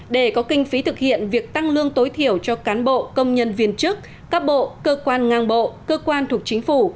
để có kinh phí thực hiện việc tăng lương tối thiểu cho cán bộ công nhân viên chức các bộ cơ quan ngang bộ cơ quan thuộc chính phủ